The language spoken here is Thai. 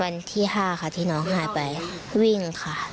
วันที่๕ค่ะที่น้องหายไปวิ่งค่ะ